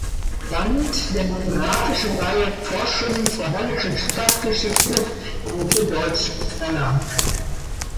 Band der monografischen Reihe "Forschungen zur hallischen Stadtgeschichte" im Mitteldeutschen Verlag.